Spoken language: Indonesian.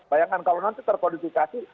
bayangkan kalau nanti terkodifikasi